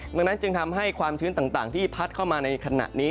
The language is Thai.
ดังนั้นจึงทำให้ความชื้นต่างที่พัดเข้ามาในขณะนี้